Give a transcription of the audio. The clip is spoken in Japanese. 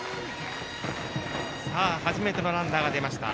初めてのランナーが出ました。